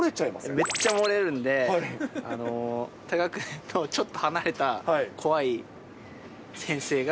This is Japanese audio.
めっちゃ漏れるんで、他学年とちょっと離れた怖い先生が。